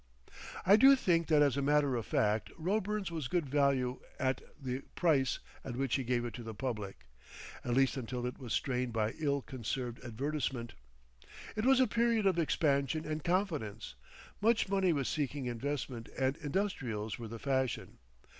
I do think that as a matter of fact Roeburn's was good value at the price at which he gave it to the public, at least until it was strained by ill conserved advertisement. It was a period of expansion and confidence; much money was seeking investment and "Industrials" were the fashion.